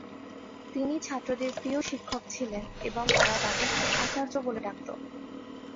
তিনি ছাত্রদের প্রিয় শিক্ষক ছিলেন এবং তারা তাঁকে 'আচার্য' বলে ডাকত।